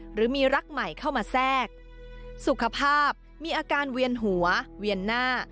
หรือมีรักใหม่เข้ามาแทรกสุขภาพมีอาการเวียนหัวเวียนหน้า